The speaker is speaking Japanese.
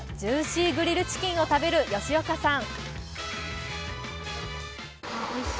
コウさんが作ったジューシーグリルチキンを食べる吉岡さん。